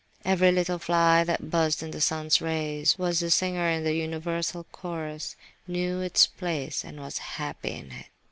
Every little fly that buzzed in the sun's rays was a singer in the universal chorus, "knew its place, and was happy in it."